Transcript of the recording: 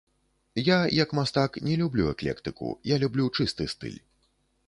Я, як мастак, не люблю эклектыку, я люблю чысты стыль.